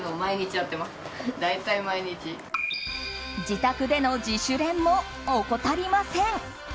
自宅での自主練も怠りません。